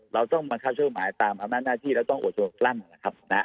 เราต้องบังคับช่วยผู้หมาตามอำนาจหน้าที่แล้วต้องโอดโจรกลั่นนะครับ